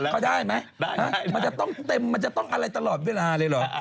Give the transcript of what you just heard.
เขาได้ไหมมันจะต้องเต็มมันจะต้องอะไรตลอดเวลาเลยเหรอ